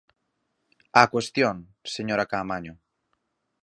Á cuestión, señora Caamaño.